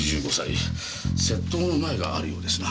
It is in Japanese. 窃盗の前科があるようですな。